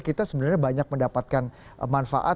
kita sebenarnya banyak mendapatkan manfaat